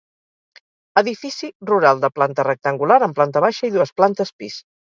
Edifici rural de planta rectangular, amb planta baixa i dues plantes pis.